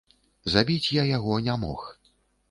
Забіць я яго не мог.